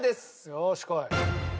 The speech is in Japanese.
よーしこい。